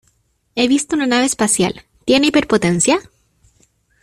He visto una nave especial. ¿ Tiene hiperpotencia?